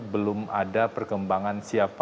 belum ada perkembangan siapa